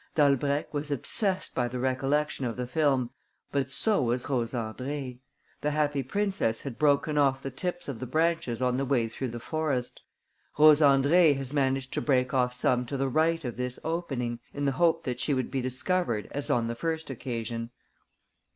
Dalbrèque was obsessed by the recollection of the film, but so was Rose Andrée. The Happy Princess had broken off the tips of the branches on the way through the forest. Rose Andrée has managed to break off some to the right of this opening, in the hope that she would be discovered as on the first occasion."